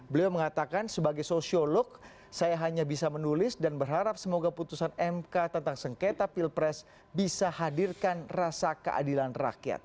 beliau mengatakan sebagai sosiolog saya hanya bisa menulis dan berharap semoga putusan mk tentang sengketa pilpres bisa hadirkan rasa keadilan rakyat